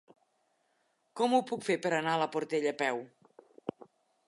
Com ho puc fer per anar a la Portella a peu?